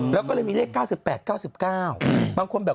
แล้วมีเลข๙๘๙๙